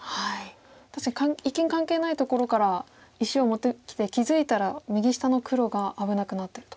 確かに一見関係ないところから石を持ってきて気付いたら右下の黒が危なくなってると。